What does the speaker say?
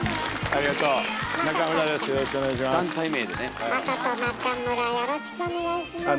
ありがとうございます。